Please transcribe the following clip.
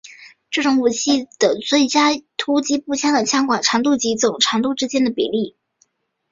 这种武器有最佳的突击步枪的枪管长度及总长度之间的比例。